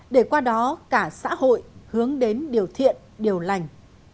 để qua đó cả xã hội hướng đến điều thiện điều lành